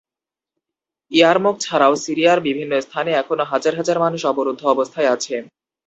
ইয়ারমুক ছাড়াও সিরিয়ার বিভিন্ন স্থানে এখনো হাজার হাজার মানুষ অবরুদ্ধ অবস্থায় আছে।